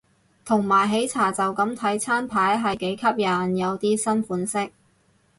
同埋喜茶就咁睇餐牌係幾吸引，有啲新款式